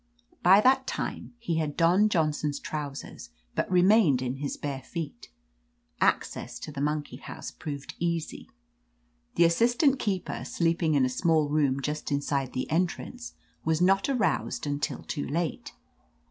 By that time he had donned Johnson's trousers^ but re mained in his bare feet Access to the mon key house proved easy. The assistant keeper, sleeping in a small room just inside the en trance, was not aroused until too late.